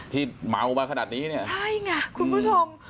ที่เหมาะบ้างขนาดนี้ใช่ไงคุณผู้ชม